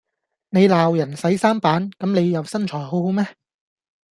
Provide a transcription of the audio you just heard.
你鬧人洗衫板，咁你又身材好好咩？